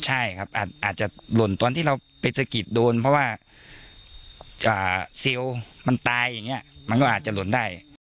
อาจจะหล่นตอนที่เราไปสะกิดโดนเพราะว่าเซลล์มันตายมันก็อาจจะหล่นได้